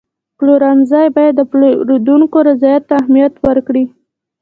پلورنځی باید د پیرودونکو رضایت ته اهمیت ورکړي.